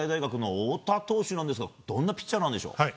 大勢投手なんですがどんなピッチャーでしょうか？